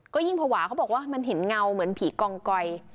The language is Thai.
ก็ยิ่งภาวะเขาบอกว่ามันเห็นเงาเหมือนผีกองกอย